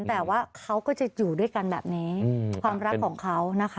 แต่ว่าเขาก็จะอยู่ด้วยกันแบบนี้ความรักของเขานะคะ